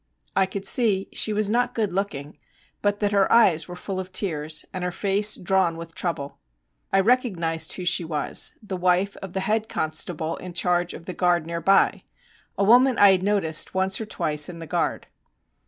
I could see she was not good looking, but that her eyes were full of tears, and her face drawn with trouble. I recognised who she was, the wife of the head constable in charge of the guard near by, a woman I had noticed once or twice in the guard.